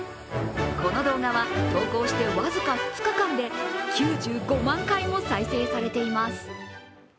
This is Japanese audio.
この動画は投稿して僅か２日間で９５万回も再生されています。